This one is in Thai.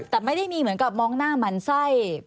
แต่ไม่ได้มีเหมือนกับมองหน้าหมั่นไส้